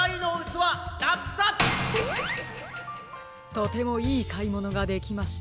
とてもいいかいものができました。